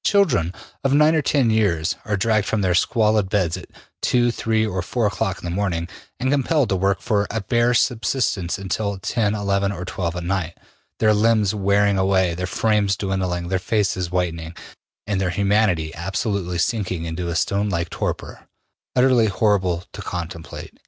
... Children of nine or ten years are dragged from their squalid beds at two, three, or four o clock in the morning and compelled to work for a bare subsistence until ten, eleven, or twelve at night, their limbs wearing away, their frames dwindling, their faces whitening, and their humanity absolutely sinking into a stone like torpor, utterly horrible to contemplate.''